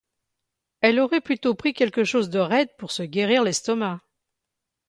Elle aurait plutôt pris quelque chose de raide pour se guérir l'estomac.